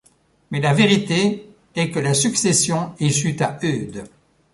Mais la vérité est que la succession échut à Eudes.